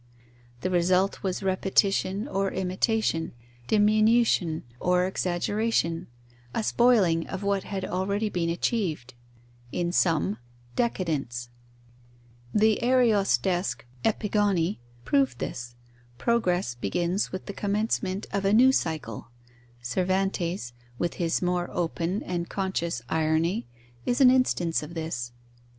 The result was repetition or imitation, diminution or exaggeration, a spoiling of what had already been achieved; in sum, decadence. The Ariostesque epigoni prove this. Progress begins with the commencement of a new cycle. Cervantes, with his more open and conscious irony, is an instance of this.